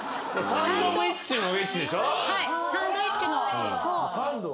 サンドイッチのそう。